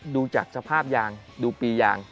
ดูจากสภาพยางดูปียาง